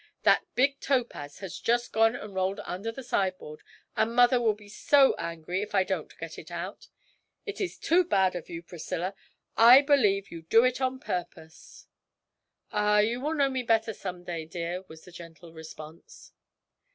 that big topaz has just gone and rolled under the sideboard, and mother will be so angry if I don't get it out! It is too bad of you, Priscilla! I believe you do it on purpose!' 'Ah, you will know me better some day, dear, was the gentle response.